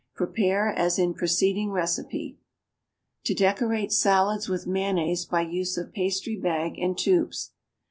_ Prepare as in preceding recipe. =To Decorate Salads with Mayonnaise by Use of Pastry Bag and Tubes.